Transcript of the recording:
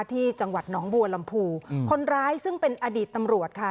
ที่จังหวัดหนองบัวลำพูคนร้ายซึ่งเป็นอดีตตำรวจค่ะ